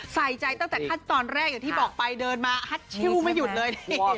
ใส่ใจตั้งแต่ขั้นตอนแรกอย่างที่บอกไปเดินมาฮัทชิวไม่หยุดเลย